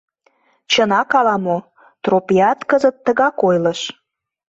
Чынак ала-мо, Тропият кызыт тыгак ойлыш.